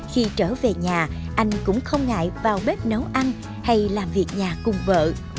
khi trở về nhà anh cũng không ngại vào bếp nấu ăn hay làm việc nhà cùng vợ